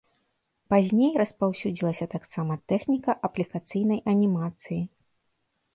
Пазней распаўсюдзілася таксама тэхніка аплікацыйнай анімацыі.